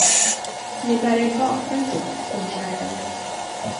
Ni bär er bakvänt åt, min käre vän.